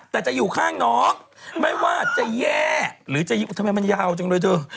แต่จะอยู่ข้างน้องไม่ว่าจะแย่หรือจะทำไมมันยาวจังเลยเธอ